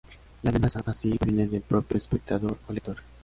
La amenaza, así, proviene del propio espectador o lector.